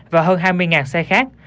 và hơn hai mươi xe khác